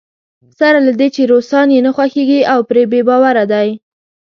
سره له دې چې روسان یې نه خوښېږي او پرې بې باوره دی.